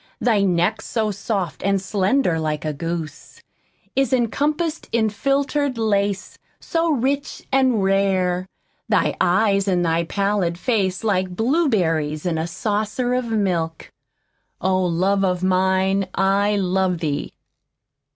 Thy neck so soft An' slender like a goose, Is encompassed in filtered lace So rich an' Rare. Thy eyes in thy pallid face like Blueberries in a Saucer of milk. Oh, love of mine, I love Thee."